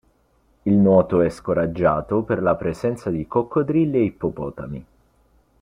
Il nuoto è scoraggiato per la presenza di coccodrilli e ippopotami.